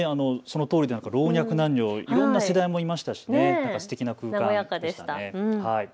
老若男女、いろんな世代もいましたしすてきな空間でした。